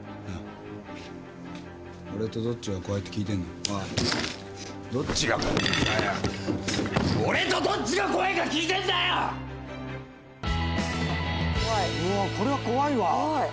うわこれは怖いわ。